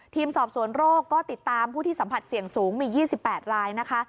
ทีมสอบสวนโรคก็ติดตามผู้ที่สัมผัสเสี่ยงสูงมี๒๘รายนะคะ